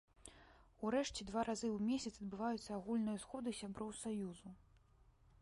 Урэшце, два разы ў месяц адбываюцца агульныя сходы сяброў саюзу.